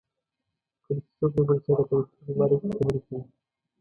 کله چې څوک د بل چا د کرکټر په باره کې خبرې کوي.